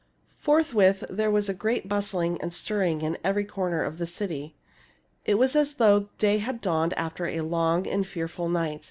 Forthwith there was a great bustling and stirring' in every corner of the city. It was as though day had dawned after a long and fearful night.